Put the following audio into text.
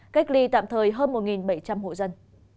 cách ly tạm thời hơn một bảy trăm linh hộ dân